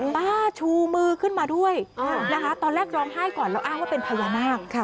ชูมือขึ้นมาด้วยนะคะตอนแรกร้องไห้ก่อนแล้วอ้างว่าเป็นพญานาค